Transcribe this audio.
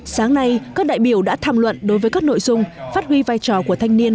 sáng nay các đại biểu đã tham luận đối với các nội dung phát huy vai trò của thanh niên